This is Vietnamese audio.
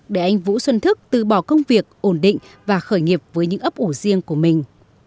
để anh vũ xuân thức từ bỏ công việc ổn định và khởi nghiệp với những ấp ủ riêng của mình